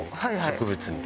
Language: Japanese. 植物に。